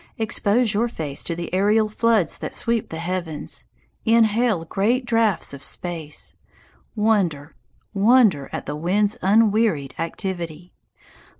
Expose your face to the aerial floods that sweep the heavens, "inhale great draughts of space," wonder, wonder at the wind's unwearied activity.